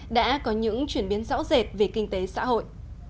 đã có những chuyển biến rõ rệt về kinh tế xã hội